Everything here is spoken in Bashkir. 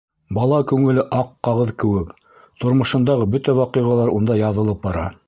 Бала күңеле аҡ ҡағыҙ кеүек, тормошондағы бөтә ваҡиғалар унда яҙылып бара.